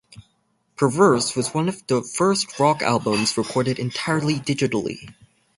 "Perverse" was one of the first rock albums recorded entirely digitally.